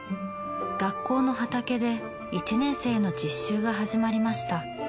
学校の畑で１年生の実習が始まりました。